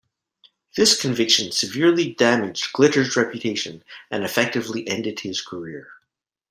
This conviction severely damaged Glitter's reputation and effectively ended his career.